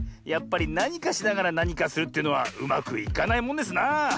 やっぱりなにかしながらなにかするというのはうまくいかないもんですなあ。